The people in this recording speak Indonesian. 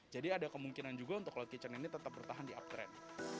jadi ada kemungkinan juga untuk cloud kitchen ini tetap bertahan di uptrend